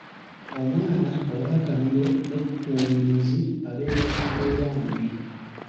Omwana ow’akamiro n’ettumbiizi abeera mu mbeera mbi.